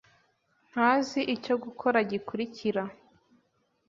ntazi icyo gukora gikurikira.